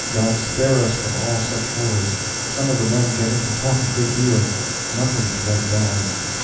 God spare us from all such horrors! Some of the men getting to talk a good deal. Nothing to write down.